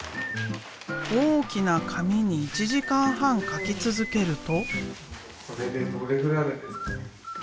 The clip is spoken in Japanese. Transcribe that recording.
大きな紙に１時間半書き続けると。